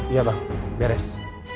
iya bang beres